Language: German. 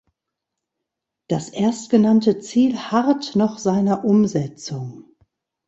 Das erstgenannte Ziel harrt noch seiner Umsetzung.